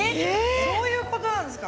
そういうことなんですか？